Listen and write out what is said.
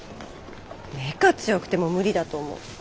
メカ強くても無理だと思う。